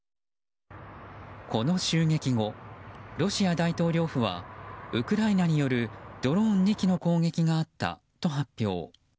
この襲撃後、ロシア大統領府はウクライナによるドローン２機の攻撃があったと発表。